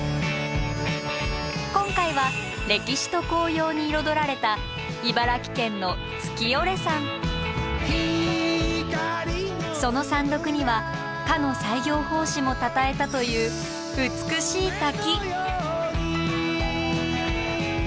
今回は歴史と紅葉に彩られた茨城県のその山麓にはかの西行法師もたたえたという美しい滝。